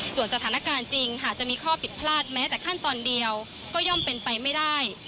ส่วนสถานการณ์จริงหากจะมีข้อผิดพลาดแม้แต่ขั้นตอนเดียวก็ย่อมเป็นไปไม่ได้